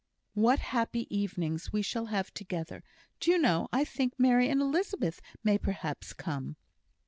"What happy evenings we shall have together! Do you know, I think Mary and Elizabeth may perhaps come."